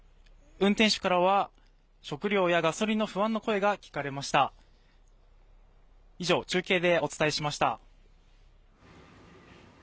運転手からは、食料やガソリンの不安の声が聞かれました。